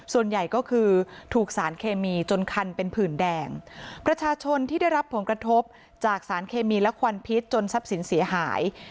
ส่วนใหญ่ก็คือถูกสารเคมีจนคันเป็นผื่นแดงประชาชนที่ได้รับผลกระทบจากสารเคมีและควันพิษจนทรัพย์สินเสียหาย